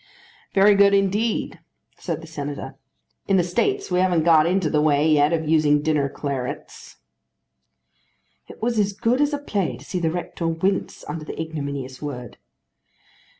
"Very good indeed," said the Senator. "In the States we haven't got into the way yet of using dinner clarets." It was as good as a play to see the rector wince under the ignominious word.